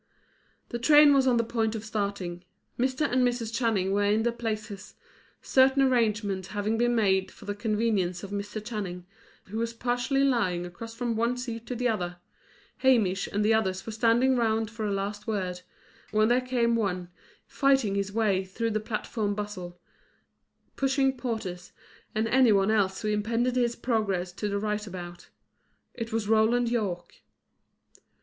The train was on the point of starting. Mr. and Mrs. Channing were in their places, certain arrangements having been made for the convenience of Mr. Channing, who was partially lying across from one seat to the other; Hamish and the others were standing round for a last word; when there came one, fighting his way through the platform bustle, pushing porters and any one else who impeded his progress to the rightabout. It was Roland Yorke.